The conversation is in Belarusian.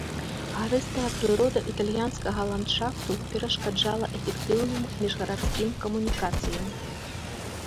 Гарыстая прырода італьянскага ландшафту перашкаджала эфектыўным міжгарадскім камунікацыям.